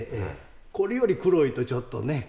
これより黒いとちょっとね。